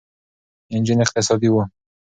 انجن اقتصادي و.